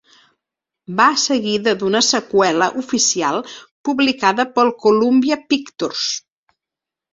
Va seguida d'una seqüela oficial publicada per Columbia Pictures.